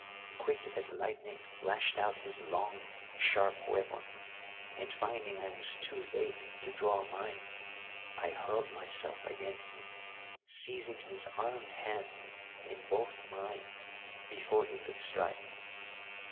Quick as lightning flashed out his long, sharp weapon, and, finding I was too late to draw mine, I hurled myselfagainst him, seizing his armed hand in both mine before he could strike.